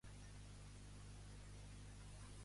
Quins temes ha tractat el futbolista?